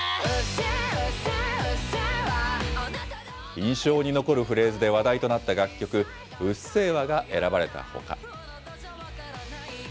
印象に残るフレーズで話題となった楽曲、うっせぇわが選ばれたほか。